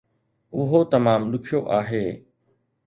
اهو تمام ڏکيو آهي